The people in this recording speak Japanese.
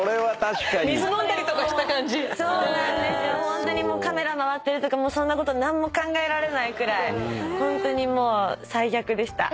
ホントにカメラ回ってるとかそんなこと何も考えられないくらいホントにもう最悪でした。